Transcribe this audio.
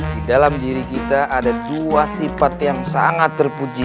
di dalam diri kita ada dua sifat yang sangat terpuji